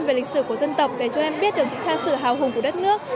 về lịch sử của dân tộc để chúng em biết được sự trang sự hào hùng của đất nước